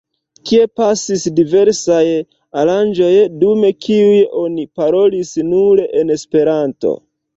Tie pasis diversaj aranĝoj, dum kiuj oni parolis nur en Esperanto.